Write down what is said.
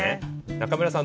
中村さん